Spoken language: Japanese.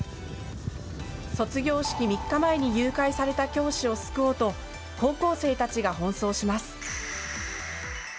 卒業式３日前に誘拐された教師を救おうと高校生たちが奔走します。